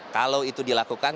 kalau itu dilakukan